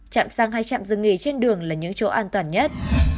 chạm sang hai trạm dừng nghỉ trên đường là những chỗ an toàn nhất